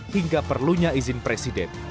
hingga perlunya izin presiden